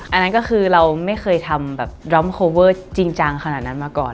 อันนั้นก็คือเราไม่เคยทำแบบดอมโคเวอร์จริงจังขนาดนั้นมาก่อน